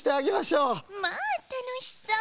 まあたのしそう。